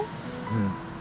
うん。